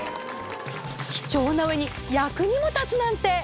貴重な上に役にも立つなんて！